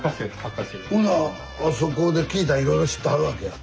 ほんならあそこで聞いたらいろいろ知ってはるわけや。